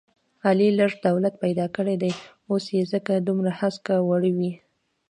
علي لږ څه دولت پیدا کړی دی، اوس یې ځکه دومره هسکه وړوي...